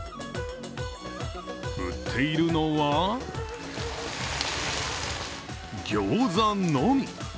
売っているのはギョーザのみ。